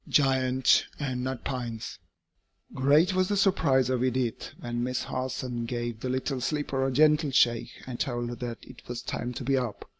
GIANT AND NUT PINES. Great was the surprise of Edith when Miss Harson gave the little sleeper a gentle shake and told her that it was time to be up.